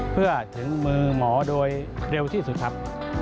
เพื่อถึงมือหมอโดยเร็วที่สุดครับ